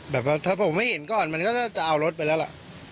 แบบว่าถ้าผมไม่เห็นก่อนมันก็จะเอารถไปแล้วล่ะ